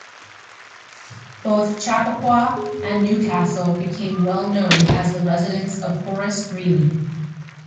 Both Chappaqua and New Castle became well known as the residence of Horace Greeley.